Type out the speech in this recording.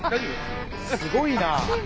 すごいな！